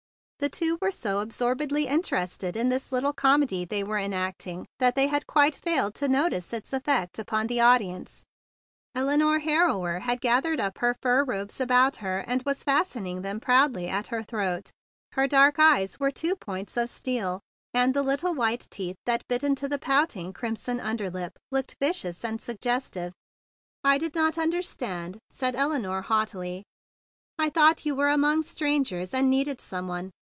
The two were so absorbedly in¬ terested in this little comedy they were enacting that they had quite failed to notice its effect upon the audience. Elinore Harrower had gathered her fur robes about her, and was fastening 172 THE BIG BLUE SOLDIER them proudly at her throat. Her dark eyes were two points of steel, and the little white teeth that bit into the pout¬ ing crimson under lip looked vicious and suggestive. "I did not understand," said Elinore haughtily. "I thought you were among strangers, and needed some one.